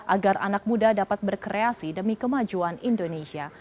agar anak muda dapat berkreasi demi kemajuan indonesia